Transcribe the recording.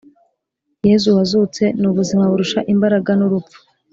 yezu wazutse ni ubuzima burusha imbaragan urupfu